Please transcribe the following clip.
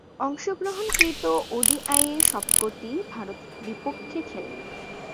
অংশগ্রহণকৃত ওডিআইয়ের সবকটিই ভারতে বিপক্ষে খেলেন।